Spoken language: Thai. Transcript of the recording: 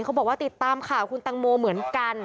เขาบอกว่าติดตามข่าวคุณตังโมเหมือนกัน